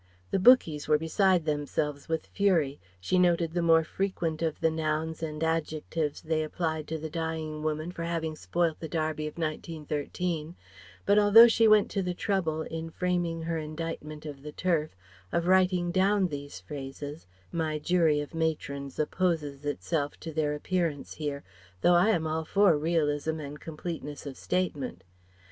The "bookies" were beside themselves with fury. She noted the more frequent of the nouns and adjectives they applied to the dying woman for having spoilt the Derby of 1913, but although she went to the trouble, in framing her indictment of the Turf, of writing down these phrases, my jury of matrons opposes itself to their appearance here, though I am all for realism and completeness of statement.